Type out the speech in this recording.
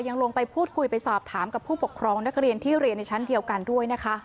ยังลงไปพูดคุยไปสอบถามกับผู้ปกครองนักเรียนที่เรียนในชั้นเดียวกันด้วยนะคะ